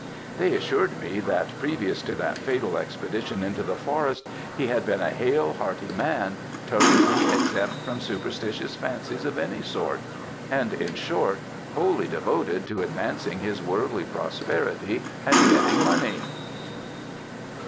They assured me that previous to that fatal expedition into the forest, he had been a hale, hearty man, totally exempt from superstitious fancies of any sort; and in short, wholly devoted to advancing his worldly prosperity and getting money."